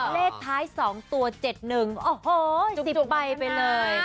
เลขท้าย๒ตัว๗๑โอ้โห๑๐ใบไปเลย